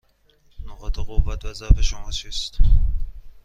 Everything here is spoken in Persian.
نقاط قوت و ضعف شما چیست؟